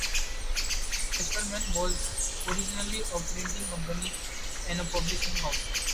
Casterman was originally a printing company and publishing house.